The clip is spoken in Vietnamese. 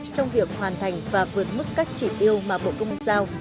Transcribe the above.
trong việc hoàn thành và vượt mức các chỉ tiêu mà bộ công giao